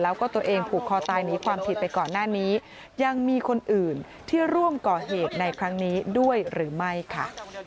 แล้วก็ตัวเองผูกคอตายหนีความผิดไปก่อนหน้านี้ยังมีคนอื่นที่ร่วมก่อเหตุในครั้งนี้ด้วยหรือไม่ค่ะ